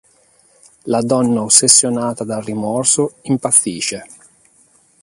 La donna ossessionata dal rimorso impazzisce.